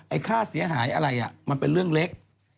ค่าเสียหายอะไรมันเป็นเรื่องเล็ก